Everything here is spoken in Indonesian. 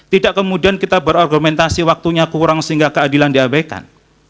tidak kemudian kita berargumentasi waktunya kurang sehingga keadilan diabaikan